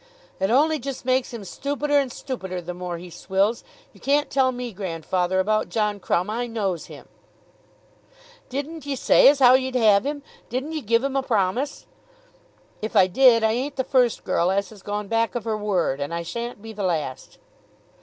"It ony just makes him stoopider and stoopider the more he swills. You can't tell me, grandfather, about John Crumb. I knows him." "Didn't ye say as how ye'd have him? Didn't ye give him a promise?" "If I did, I ain't the first girl as has gone back of her word, and I shan't be the last."